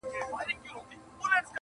د ګنجي په ژبه بل ګنجی پوهېږي-